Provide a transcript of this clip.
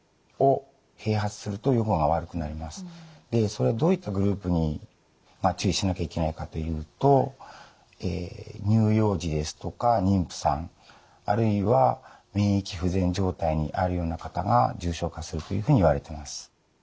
それはどういったグループに注意しなきゃいけないかというと乳幼児ですとか妊婦さんあるいは免疫不全状態にあるような方が重症化するというふうにいわれてます。